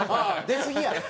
出すぎやね